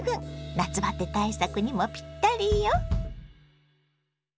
夏バテ対策にもピッタリよ！